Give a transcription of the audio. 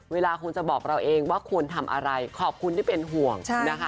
เวลาคุณจะบอกเราเองว่าควรทำอะไรขอบคุณที่เป็นห่วงนะคะ